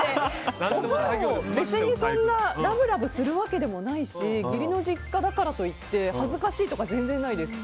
別にそんなラブラブするわけでもないし義理の実家だからといって恥ずかしいとか全然ないです。